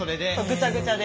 ぐちゃぐちゃで。